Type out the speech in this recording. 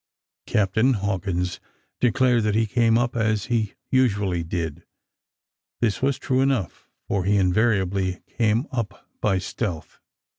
Captain Hawkins declared that he came up as he usually did. This was true enough, for he invariably came up by stealth.